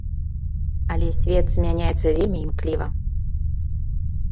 Але свет змяняецца вельмі імкліва.